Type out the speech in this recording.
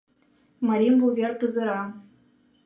Марим вувер пызыра